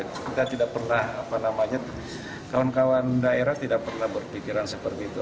kita tidak pernah apa namanya kawan kawan daerah tidak pernah berpikiran seperti itu